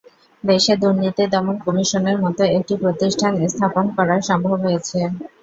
দেশে দুর্নীতি দমন কমিশনের মতো একটি প্রতিষ্ঠান স্থাপন করা সম্ভব হয়েছে।